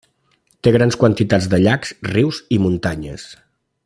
Té gran quantitat de llacs, rius i muntanyes.